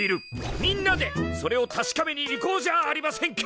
みんなでそれを確かめに行こうじゃありませんか！